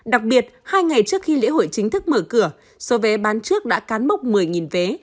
đặc biệt hai ngày trước khi lễ hội chính thức mở cửa số vé bán trước đã cán mốc một mươi vé